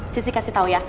sisi kasih tau ya